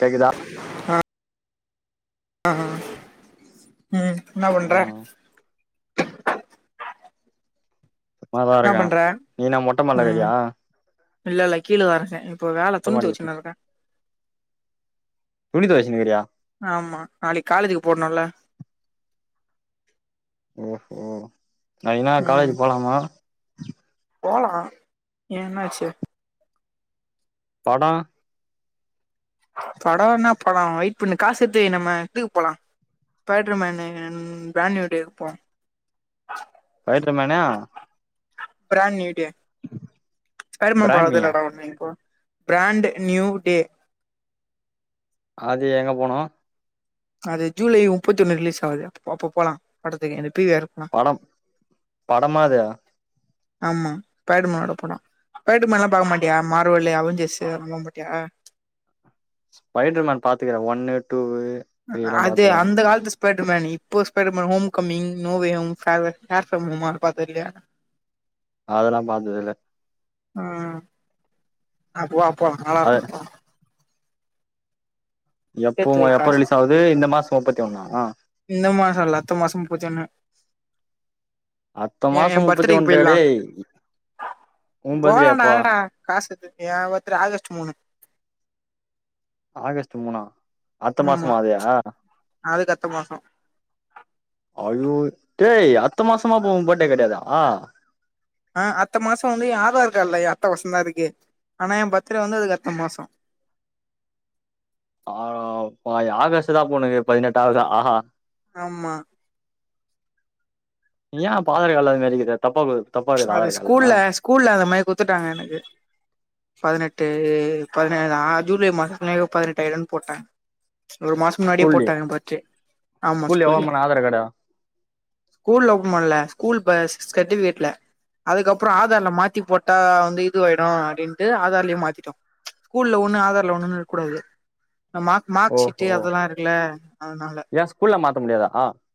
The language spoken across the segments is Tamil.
கேக்குதா ஆ அ அ அ ம் இன்ன பண்ற ம் சும்மாதா என்ன இருக்கே பண்ற நீ என்ன ம் மொட்டமாட்லகிறியா இல்ல இல்ல கீழதா இருக்கே இப்ப வேல மொட்ட துணி மாடிக்கு தோச்சுனு இருக்கே துணி தோச்சுனுகிறியா ஆமா நாளிக் காலேஜ்க்கு போட்ணோல ஓஹோ நாளிக் இன்னா ம் காலேஜ் போலாமா போலா ஏ என்னாச்சு படோ படோ இன்னா படோ வெயிட் பண்ணு காசேத்து வை நம்ம இதுக்கு போலா ஸ்பைடர் மேனு பிராண்நியூடேக்கு போவோ ஸ்பைட்ரு மேனு பிராண்நீயுடே ஸ்பைடர் மேன் படோ பிராண்மியா வர்துலடா ஒன்னு இப்போ பிராண்டு நியூ டே அது எங்க போனு அது ஜூலை முப்பத்தி ஒன்னு ரிலீஸ் ஆவுது அப் அப்போ போலா படத்துக்கு இந்த பி வி ஆரு படம் படமா அது ஆமா ஸ்பைடமனோட படோ பைடபேட்மேனெல்லா பாக்க மாட்டியா மாறுவலு அவஞ்சர்ஸு [unintelligible] பாக்க மாட்டியா ஸ்பைடர்மேன் பாத்துக்குறே ஒன்னு டூவு த்ரீ எல்லா அது பாத்துக்கிறே அந்த காலத்து ஸ்பைடர்மேன் இப்போ ஸ்பைைர் மேன் ஹோம் கமிங், நோவே ஹோம், ஃபார்வேர் ஃபார் ஃப்ரம் ஹோம்னு பாத்தது இல்லையா அதெல்லா பாத்தது இல்ல ஆ, அப்ப வா போலா அது நல்லாருக்கு எப்போ சேத்து வை எப்போ காசு ரிலீஸ் ஆவுது இந்த மாசோ முப்பத்தி ஒண்ணா இந்த மாசம் இல்ல அடுத்த மாசம் முப்பத்தி ஒன்னு அத்த எ எ மாசோ முப்பத்தி பர்த்டேக்கு ஒன்றா போயிட்லா டேய் உ பர்த்டே போகலான்டா எப்போ என்னடா காசு சேத்துக்குனியா ஒருத்தரு ஆகஸ்ட் மூனு ஆகஸ்ட் மூணா அடுத்த ஆமா மாசமா அது அதுக்கு அடுத்த மாசோ அயோ டேய் அடுத்த மாசமா அப்ப உ பர்த்டே கடையாதா ஆ அடுத்த மாச வந்து எ ஆதார் கார்டுல அடுத்த மாசந்தா இருக்கு ஆனா எ பர்த்டே வந்து அதுக்கு அடுத்த மாசோ அட அப்பாவி ஆகஸ்ட்தா அப்ப உனக்கு பதினெட்டு ஆவுதா ஆமா ஏ அப்ப ஆதார் கார்டுல அது மாரி இருக்குது தப்பா இருக்குது அது ஆதார் கார்டுல ஸ்கூல்ல ஸ்கூல்ல அந்த மாரி குடுத்துட்டாங்க எனக்கு பதினெட்டு பதினேழு ஆ ஜூலை மாசத்துல எனக்கு பதினெட்டு ஆயிடுன்னு போட்டாங்க ஒரு மாசம் முன்னாடியே ஸ்கூல்லயா போட்டாங்க எ பர்த்டே ஆமா எவன் ஸ்கூல்ல பண்ண ஆதார் கார்டா ஸ்கூல்ல ஓப்பன் பண்ணல ஸ்கூல் ப சர்டிபிகேட்ல அதுக்கப்றோ ஆதார்ல மாத்தி போட்டா வந்து இதுவாயிடும் அப்டின்ட்டு ஆதார்லியு மாத்திட்டோ ஸ்கூல்ல ஒண்ணு ஆதார்ல ஒண்ணுண்னு இருக்க கூடாது மா மார்க் ஷீட் ஓஹோ அதெல்லா இருக்குல அதனால ஏன் ஸ்கூல்ல மாத்த முடியாதா ஆ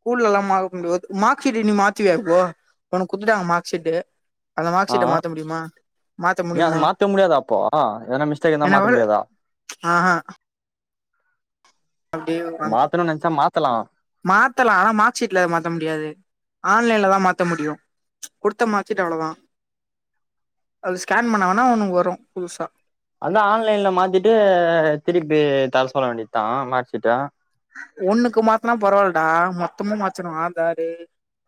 ஸ்கூல்லலா மாத்த முடியாது மார்க் ஷீட்டு நீ மாத்துவியா இப்போ உனக்கு குத்துட்டாங்க மார்க் ஷீட்டு அந்த மார்க் ஷீட்ட மாத்த முடியுமா மாத்த ஏ அத முடியுமா மாத்த முடியாதா அப்போ ஏதனா மிஸ்டேக் இருந்த மாத்த முடியாதா ஆஹ அப்டியே வாங்க மாத்தணும்னு நெனச்சா மாத்தலாம் மாத்தலா ஆனா மார்க் ஷீட்ல மாத்த முடியாது ஆன்லைன்லதா மாத்த முடியு குடுத்த மார்க் ஷீட்டு அவ்ளோதா அது ஸ்கேன் பண்ணா வேணா உனக்கு வரும் புதுசா அதா ஆன்லைன்ல மாத்திட்டு திருப்பி தர சொல்ல வேண்டியதுதா மார்க் ஷீட்ட ஒன்னுக்கு மாத்துனா பரவாயில்லடா மொத்தமு மாத்தனு ஆதாரு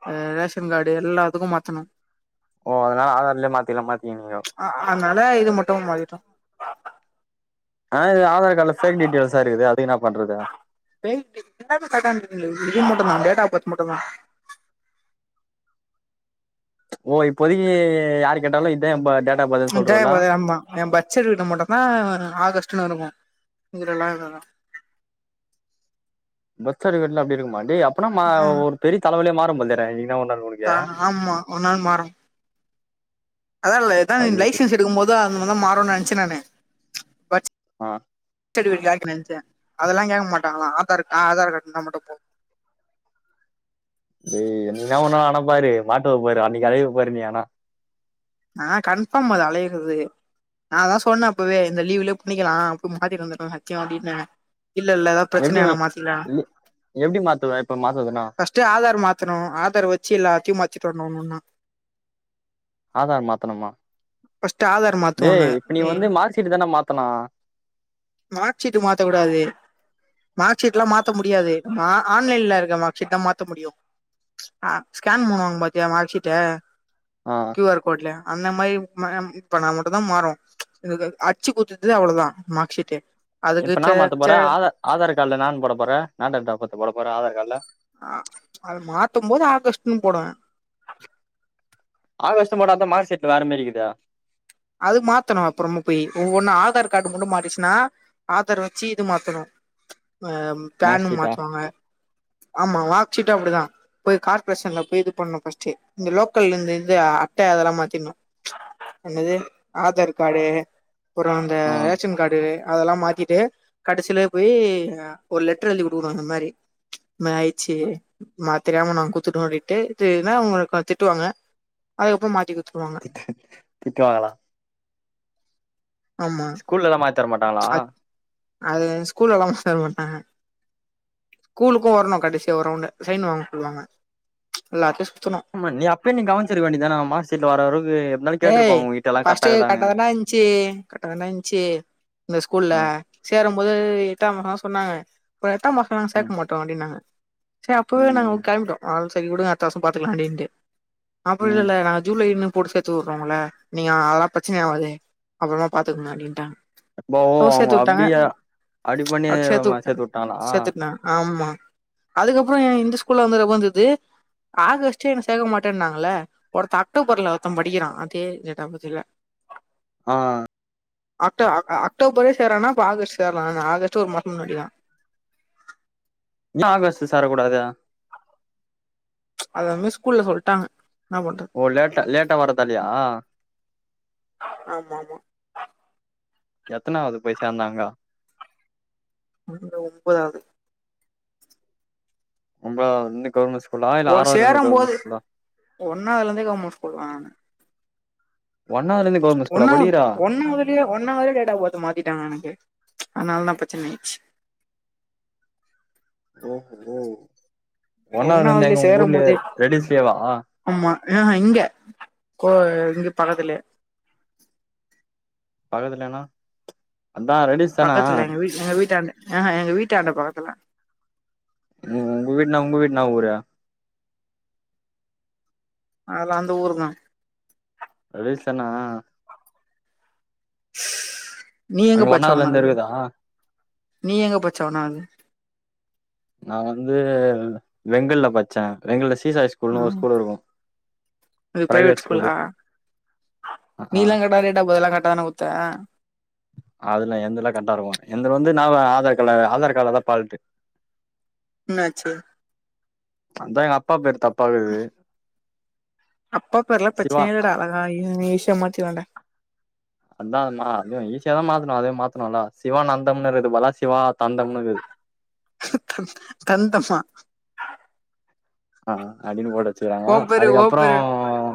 அ ரேஷன் கார்டு எல்லாத்துக்கு மாத்தனு ஓ அதனால ஆதார்லயே மாத்திக்லானு மாத்தீகினிங்கோ அ அதனால இது மட்டு மாத்திட்டோ ஆனா இது ஆதார் கார்டுல ஃபேக் டீட்டியல்ஸா இருக்குது அதுக்கு என்ன பண்றது ஃபேக் டி எல்லாமே கரெக்டாதா இருக்குது இது மட்டும்தா டேட் ஆஃப் பர்த் மட்டும்தா ஓ இப்போதிக்கு யார் கேட்டாலு இதா எ ப டேட்டா ஆஃப் பர்த்ன்னு சொல்லிருவல டிரைவர் ஆமா எ பர்த் சர்டிஃபிகேட்ல மட்டும்தா ஆகஸ்ட்னு இருக்கு இதுலல்லா இதுதா பர்த் சர்டிபிகேட்ல அப்டி இருக்குமா டேய் அப்பனா மா ம் ஒரு பெரிய தலவலியா மாறும் போலதேடா என்னிகினா ஒரு நாள் உனக் அ ஆமா ஒரு நாள் மாறு அதா இல்ல அதா ஐயோ லைசன்ஸ் எடுக்கும்போது அந்தமாரிதா மாறுனு நெனைச்சே நானு பர் ஆ த் சர்டிபிகேட்ல்லா கேக்குனு நெனச்சே அதெல்லா கேக்க மாட்டாங்களா ஆதார் ஆ ஆதார் கார்டு இருந்தா மட்டு போது டேய் என்னிகினா ஒருநாளு ஆனா பாரு மாட்டுவ பாரு அன்னைக்கு அலைவ பாரு நீ ஆனா ஆ, கன்ஃபார்ம் அது அலையிறது நா அதா சொன்ன அப்பவே இந்த லீவ்லயே பண்ணிக்கலா போய் மாத்திட்டு வந்துர்லா எல்லாத்தையு அப்டினு இல்ல இல்ல ஏதாது பிரச்சன எப்டி வை ஆனா மாத்திலா இ எப்டி மாத்துவ இப்ப மாத்துவதுன்னா பஸ் பஸ்ட் ஆதார் மாத்தணு ஆதார் வச்சு எல்லாத்தையு மாத்திட்டு வருனு ஒண்ணு ஒண்ணா ஆதார் மாத்தணுமா ஃபர்ஸ்ட்டு ஆதார் டே மாத்துவாங்க இப்ப நீ ஏ வந்து மார்க் ஷீட் தான்டா மாத்தணு மார்க் ஷீட் மாத்தகூடாது மார்க் ஷீட்லா மாத்த முடியாது‌ ஆ ஆன்லைன்ல இருக்க மார்க் ஷீட் தா மாத்த முடியு ஆ ஸ்கேன் பண்ணுவாங்க பாத்தியா மார்க் ஷீட்ட ஆ போடல அந்த மாரி ம இ பண்ணா மட்டு தா மாறு அச்சு குடுத்துது அவ்ளதா மார்க் ஷீட் இப்ப என்ன மாத்த போற ஆதா ஆதார் காட்ல என்னாணு போட போற என்னா டேட் ஆஃப் பெர்து போட போற ஆதார் காட்ல ஆ அது மாத்தும் போது ஆகஸ்ட்னு போடுவ ஆகஸ்ட் போட்டா தா மார்க் ஷீட்ல வேறமாறி இருக்குதே அது மாத்தணு அப்புறமா போய் ஒவ்வொன்னா ஆதார் காடு மட்டு மாறிச்சுன்னா ஆதார் வச்சு இது மாத்தணு அ மார்க் பேனும் ஷீட்டா மாத்துவாங்க ஆமா மார்க்சீட்டு அப்டிதா போய் கார்ப்பரேஷன்ல போய் இது பண்ணு பஸ்ட் இந்த லோக்கல்ல இது அட்ட அதெல்லா மாத்தினு என்னது ஆதார் காடு அப்பற இந்த ஆ ரேஷன் காடு அதெல்லா மாத்திட்டு கடசில போய் அ ஒரு லெட்டர் எழுதி குடுக்கணு அந்த மாரி இந்த மாரி ஆயிச்சு மா தெரியாம நாங்க குத்துட்டோ அப்டின்ட்டு இது அவங்க திட்டுவாங்க அதுக்கு அப்பற மாத்தி குத்துருவாங்க திட்டுவாங்கலா ஆமா ஸ்கூல்ல எல்லா மாத்தி தர மாட்டாங்களா அது ஸ்கூல்ல எல்லா மாத்தி தர மாட்டாங்க ஸ்கூலுக்கு வரணு கடைசியா ஒரு ரவுண்டு சைன் வாங்க சொல்லவாங்க எல்லாத்தையு சுத்தணு ஆமா நீ அப்பய நீ கவனிச்சிருக்க வேண்டியதான மார்க்சீட்ல வரலவுக்கு எப் ஏய் ஃபஸ்ட் கரட்டா தான்டா இருன்ச்சு கரட்டா தான்டா இருன்ச்சு இந்த ஸ்கூல்ல ஆ சேரும் போது எட்டா இதா சொன்னாங்க எட்டாம் மாச நாங்க ம் சேக்க மாட்டோ டோ அப்டின்னாங்க ச அப்பவே நாங்க ம் கெளம்பிட்டோ அ சரி விடுங்க அடுத்த வருசம் பாத்துக்கலா அப்டின்ட்டு அப்பற இல்ல ம் இல்ல நாங்க ஜூலைன்னு போட்டு சேத் த்து விடுறோ உங்கள நீங்க அதெல்லா பிரச்சனை ஆவாது அப்புறமா பாத்துக்குங்க அப்டின்ட்டாங்க அப்ப ஓ அவங்க சேத்து விட்டாங்க அப்டியா அப்டி பண்ணி சேத்து வுட்டங்களா அதுக்கப்பற என் இந்த ஸ்கூல்ல வந்ததுக்கு அப்றோ தா தெரிது ஆகஸ்ட்டே என்ன சேக்க மாட்டனாங்கள ஒருத்த அக்டோபர்ல ஒருத்த படிக்கிறா அதே டேட் ஆஃப் பர்த்ல ஆ அக்டோ அக்டோபரே சேரானா அப்ப ஆகஸ்ட் சேரலாதான அப்ப ஆகஸ்ட் ஒரு மாச தா இல்லயா நா ஆகஸ்ட் சேர கூடாது அதாமே ஸ்கூல்ல சொல்லிட்டாங்க என்ன பண்றது ஓ லேட்டா லேட்டா வருதாலயா ஆமா ஆமா எத்தனாவது போய் சேந்தாங்க [unintelligible] ஒம்பதாவது ஒம்பதாவதுல இருந்தே கவர்மென்ட் ஸ்கூலா இல்ல ஒ ஆறாவதுலந்தே சேரும் போது கவர்மெண்ட் ஸ்கூலா ஒன்னாவதுல இருந்தே கவர்மண்ட் ஸ்கூல் நா ஒன்னாவதுல இருந்தே ஒன்னாவ் ஒன்னாவ திலே ஒன்னாவதிலே டேட் ஆஃப் பர்த் மாத்திட்டாங்க எனக்கு அதனால தா பிரச்சினை ஆச்சு ஓ ஓ ஒன்னாவதுல இருந்து ஒன்னாவதுலயே எங்க உங்க சேரும் ஊர்ல போதே ரெட்ல்ஸ்லேவா ஆமா ஆ இங்க கோ இங்க பக்கத்துலயே பக்கத்துலேனா அதா ரெடிஸ் தானா பக்கத்துல எங்க வீ எங்க வீட்டாண்ட ஆ ஹா எங்க வீட்டாண்ட பக்கத்துல ம் உங்க வீட்டுனா உங்க வீட்டுனா என்ன ஊரு அதுலா அந்த ஊர் தா ரெடில்ஸ் தானா நீ எங்க அங்க பச்ச ஒன்னாவதுல இருந்து ஒன்னாவது இருக்குதா நீ எங்க பச்ச ஒன்னாவது நா வந்து வெங்கல்ல பச்சே வெங்கல்ல சீசாய ஸ்கூல்னு ஒரு ஸ்கூல் இருக்கு எது பிரைவேட் ஸ்கூலா ஆ ஆ நீலா [unintelligible] போது எல்லா கட்டாதானா போது த அதுல்லா என்துல கர்ட்டா இருக்கு எந்துல வந்து நா ஆதார் கல ஆதார் கார்டல தா ஃபால்ட்டு என்னாச்சு அதா எ அப்பா பேரு தப்பாகிது அப்பா பேர் எல்லா பிரச்சனையே இல்லடா அழகா ஈசியா மாத்திடலான்டா அதா நா அ ஈசியா தா மாத்தணு அதே மாத்தனுல சிவானந்தம்னு இருக்குது பலா சிவா தந்தம்னு இருக்குது தந்தமா ஆ அடின்னு போட்டு வச்சுக்கறாங்கோ ஓம் பேரு ஓம் அதுக்கப்புற பேரு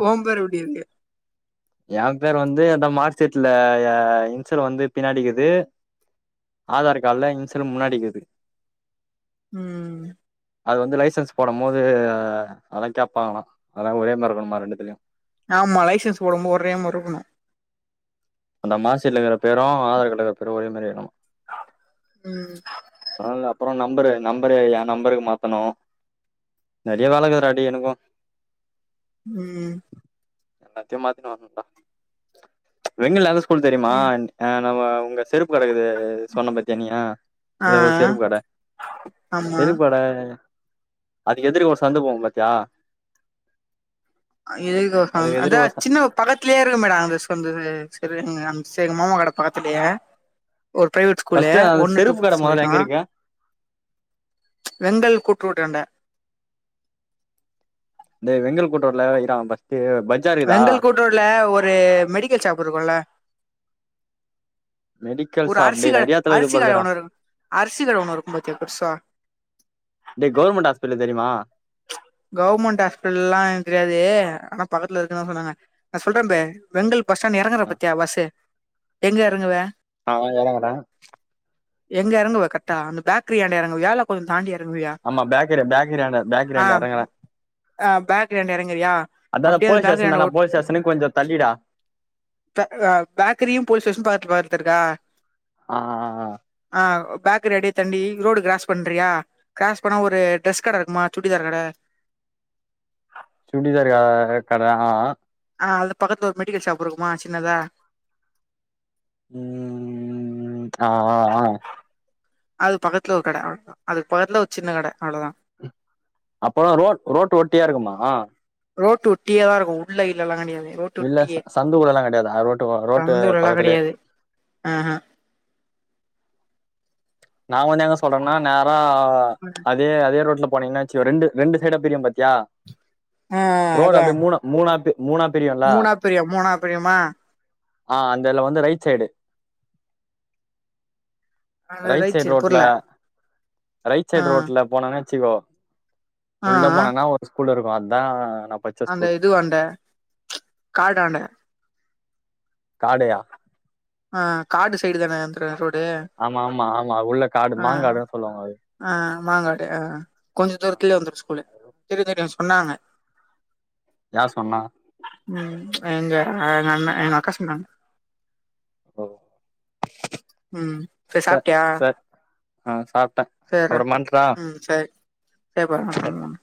ஓம் பேரு எப்டி இருக்கு என் பேரு வந்து அந்த மார்க்சீட்ல எ இன்சல் வந்து பின்னாடிக்கிது ஆதார் கார்டுல இன்சல் முன்னாடிக்கிது ம் அது வந்து லைசன்ஸ் போடம் போது அதெல்லா கேப்பாங்கலா அதெல்லா ஒரே மாரி இருக்கணும்மா ரெண்டுத்தலயும் ஆமா லைசன்ஸ் போடம் போது ஒரே மாரி இருக்கணு அந்த மார்க் ஷீட்ல இருக்கிற பேரு ஆதார் கார்டுல இருக்குற பேரு ஒரே மாரி இருக்கனுமா ம் பரவாயில்ல அப்புற நம்பரு நம்பரு எ நம்பருக்கு மாத்தணு நெறைய வேல இக்குதுடா டேய் எனக்கு ம் எல்லாத்தையு மாத்தினு வரனு டா வெங்க லாவ ஸ்கூல் தெரியுமா ஆ நம்ம உங்க செருப்பு கடக்குது சொன்ன பாத்தியா நீ ஆ எதோ ஒரு செருப்பு கட ஆமா செருப்பு கட அதுக்கு எதிர்க ஒரு சந்து போகு பாத்தியா அங்க எழுத அதுக்கு வப்பாங்க அதா எதிர்க்க ஒரு ச சின்ன பக்கத்திலேயே இருக்குமேடா அந்த சந்து செரு எங்க அங் சே எங்க மாமா கட பக்கத்துலயே ஒரு பிரைவேட் ஸ்கூலு ஃபர்ஸ்ட்டு அந்த ஒன்னு டூ செருப்பு கட பிஃப்த் மொதல்ல வரைக்கு எங்க இருக்கு வெங்கல் கூட்ரோட்டாண்ட டேய் வெங்கல் கூட்டூ ரோட்ல அவ இரா ஃபஸ்டு ப வெங்கல் கூட் ரோட்ல ஒரு மெடிக்கல் ஷாப் இருக்குல மெடிக்கல் ஒரு ஷாப் அரிசில டேய் நெறைய எடத்துல இருக்குது அரிசில போலடா ஒன்னு அரிசில ஒன்னு இருக்கு பாத்தியா பெருசா டேய் கவர்மெண்ட் ஹாஸ்பிட்டல் தெரியுமா கவுர்மெண்ட் ஹாஸ்பிடல்லா எனக் தெரியாது ஆனா பக்கத்துல இருக்குன்னு தா சொன்னாங்க நா சொல்ற பார் வெங்கல் பஸ் ஸ்டாண்ட் எறங்குற ஆ பத்தியா பஸ்ஸ்சு எங்க எறங்குவ ஆமா எறங்கிட்ட எங்க எறங்குவ கரெக்டா அந்த பேக்கரியாண்ட எறங்குவியா இல்ல கொஞ்ச தாண்டி எறங்குவியா ஆமா பேக்கரி பேக்கரியாண்ட பேக்கரியாண்ட எறங்குற அ பேக்கரியாண்ட எறங்குறியா அப்டியே அந்த போலீஸ் ஸ்டேஷன் பேக்கரியாண்ட தான ஒட் போலீஸ் ஸ்டேஷனுக்கு கொஞ்சோ தள்ளிடா த பேக்ரியு போலீஸ் ஸ்டேஷனும் பாக்கத்து பாக்கத்துல இருக்கா ஆ ஆ ஆ ஆ பேக்கிரி அப்டியே தாண்டி ரோடு கிராஸ் பண்றியா கிராஸ் பண்ணா ஒரு ட்ரெஸ் கட இருக்குமா சுடிதார் கட சூடிதார் அக் கட ஆ ஆ அது பக்கத்து ஒரு மெடிக்கல் ஷாப் இருக்குமா சின்னதா ம் ம் ம் ம் ஆ ஆ ஆ அது பக்கத்துல ஒரு கட அவ்ளதா அது பக்கத்துல ஒரு சின்ன கட அவ்ளதா அப்போ ரோட் ரோட்டு் ஒட்டியா இருக்குமா ரோட்டு் ஒட்டியேதா இருக்கு உள்ள இல்லகில்லா கெடியாது இல்ல சந்துக்குள்ளல்லா கெடையாதா ரோட்டு ரோட்டு பக்கத்துலே அ ஹா நா வந்து எங்க சொல்றேன்னா நேரா அப்டே அதே ரோட்ல போனீங்கன்னா வெச்சிக்கோ ரெண்டு ரெண்டு சைடா பிரியு பாத்தியா ஆ ரோடு அதா அப்டியே மூணா மூணா பிரி மூனா பிரியு மூணா பிரியு மூணா பிரியுமா ஆ அந்த இதுல வந்து ரைட் சைடு அந்த ரைட் சைடு் சைடு ரோட்ல பொருள ரைட் ஆ சைட் ரோட்ல போனோன்னு வெச்சுக்கோ ஆ உள்ள போனோம்னா ஒரு ஸ்கூல் இருக்கு அதா நா படிச் அந்த இதுவாண்ட காடாண்ட காடையா ஆ காடு சைடு தானே அந்த ரோடு ஆமா ஆமா ஆமா உள்ள காடு ஆ மாங்காடுன்னு சொல்லுவாங்க அது ஆ மாங்காடு ஆ கொஞ்ச தூரத்துலயே வந்துரு ஸ்கூலு தெரியு தெரியு சொன்னாங்க யார் சொன்னா ம் இங்க எயா அண்ண எங்க அக்கா சொன்னாங்க ஓ ம் சேர் சார் சாப்டியா சார் ஆ சாப்பிட்டேன் சேர்டா அப்புறம் பண்ணுறா ம் சேரி சேரி அப்ப அப்றோ பண்